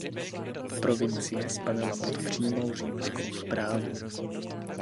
Provincie spadala pod přímou římskou správu.